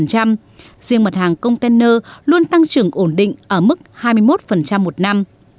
riêng mặt hàng container luôn tăng trưởng ổn định ở mức hai mươi một một năm